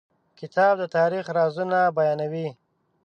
کتاب د تاریخ رازونه بیانوي.